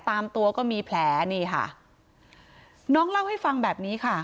ตามตัวก็มีแผลนี่ค่ะน้องเล่าให้ฟังแบบนี้ค่ะ